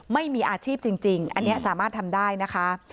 ไม่มีอาชีพจริงอันนี้สามารถทำได้นะคะ